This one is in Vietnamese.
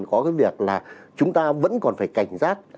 có cái việc là chúng ta vẫn còn phải cảnh giác